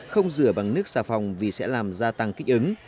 không rửa bằng nước xà phòng vì sẽ làm gia tăng kích ứng